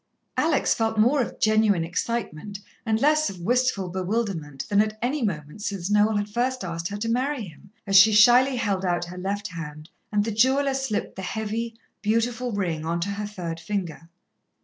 Alex felt more of genuine excitement, and less of wistful bewilderment, than at any moment since Noel had first asked her to marry him, as she shyly held out her left hand and the jeweller slipped the heavy, beautiful ring onto her third finger.